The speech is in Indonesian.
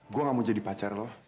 gue gak mau jadi pacar loh